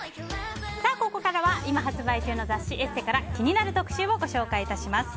ここからは、今発売中の雑誌「ＥＳＳＥ」から気になる特集をご紹介いたします。